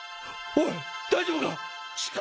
おい大丈夫か！